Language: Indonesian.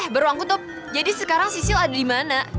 berisik banget sih lo semua